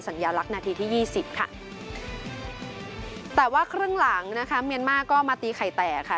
ยาลักษณ์นาทีที่ยี่สิบค่ะแต่ว่าครึ่งหลังนะคะเมียนมาร์ก็มาตีไข่แตกค่ะ